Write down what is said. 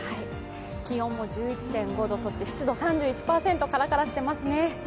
気温も１１．５度、そして湿度は３１％、カラカラしてますね。